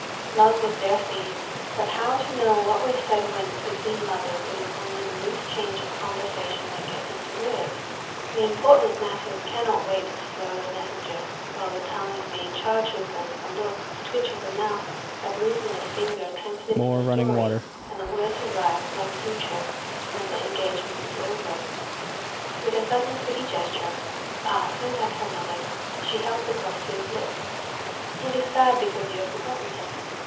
Love was their theme; but how to know what was said when between lovers it is only the loose change of conversation that gets into words? The important matters cannot wait so slow a messenger; while the tongue is being charged with them, a look, a twitch of the mouth, a movement of a finger, transmits the story, and the words arrive, like Blücher, when the engagement is over. With a sudden pretty gesture ah, so like her mother's! she held the glove to his lips. "It is sad because you have forgotten it."